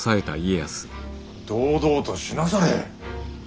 堂々としなされ。